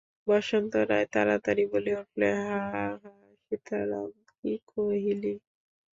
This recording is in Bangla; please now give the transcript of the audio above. বসন্ত রায় তাড়াতাড়ি বলিয়া উঠিলেন, হাঁ হাঁ সীতারাম, কী কহিলি?